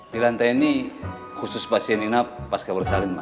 di lantai ini khusus pasien inap pas gak boleh salin mas